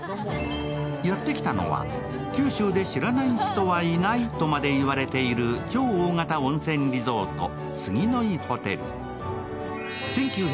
やって来たのは九州で知らない人はいないとまで言われている超大型温泉リゾート・杉乃井ホテル。